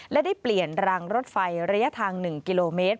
และได้เปลี่ยนรางรถไฟระยะทาง๑กิโลเมตร